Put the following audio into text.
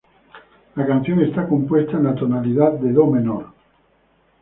La canción está compuesta en la tonalidad de "do" menor.